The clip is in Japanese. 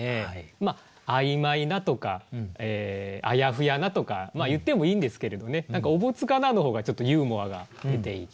まあ「曖昧な」とか「あやふやな」とか言ってもいいんですけれどね何か「覚束無」の方がちょっとユーモアが出ていて。